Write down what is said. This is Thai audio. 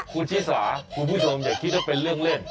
คุณชิสาคุณผู้ชมอย่าคิดว่าเป็นเรื่องเล่น